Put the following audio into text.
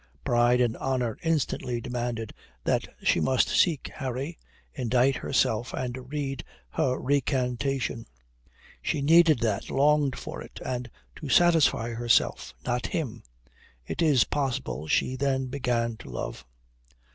Pride and honour instantly demanded that she must seek Harry, indict herself and read her recantation. She needed that, longed for it, and to satisfy herself, not him. It is possible that she then began to love.